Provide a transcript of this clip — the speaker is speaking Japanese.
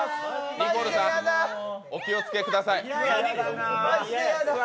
ニコルさんお気をつけください。